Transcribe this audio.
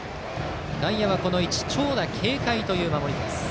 外野は長打警戒という守りです。